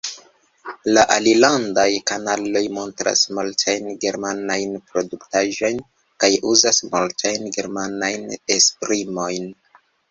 La alilandaj kanaloj montras multajn germanajn produktaĵojn kaj uzas multajn germanajn esprimojn.